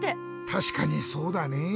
たしかにそうだねぇ。